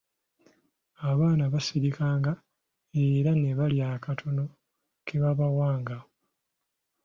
Abaana baasirikanga era ne balya akatono ke baabawanga.